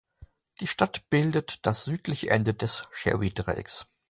Die Stadt bildet das südliche Ende des „Sherry-Dreiecks“.